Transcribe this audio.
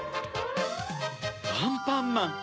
アンパンマン。